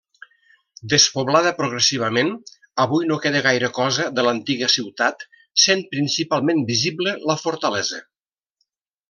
Despoblada progressivament avui no queda gaire cosa de l'antiga ciutat, sent principalment visible la fortalesa.